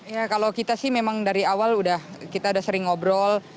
ya kalau kita sih memang dari awal kita udah sering ngobrol